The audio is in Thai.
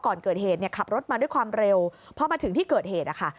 ก่อนเกิดเหตุเนี่ยขับรถมาด้วยความเร็วพอมาถึงที่เกิดเหตุนะคะ